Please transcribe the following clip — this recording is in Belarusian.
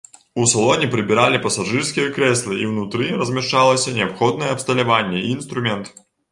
У салоне прыбіралі пасажырскія крэслы і ўнутры размяшчалася неабходнае абсталяванне і інструмент.